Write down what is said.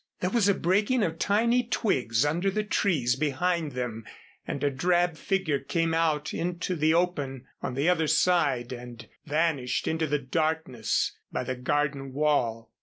There was a breaking of tiny twigs under the trees behind them and a drab figure came out into the open on the other side and vanished into the darkness by the garden wall.